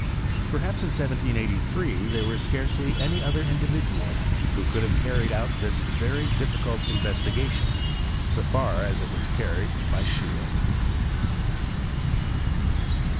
Per haps in 1783 there was scarcely any other indi vidual who could have carried this very difficult investigation so far as it was carried by Scheele.